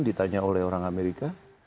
ditanya oleh orang amerika